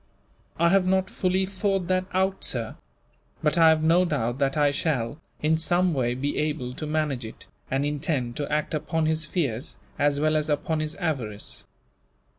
"I have not fully thought that out, sir; but I have no doubt that I shall, in some way, be able to manage it, and intend to act upon his fears as well as upon his avarice."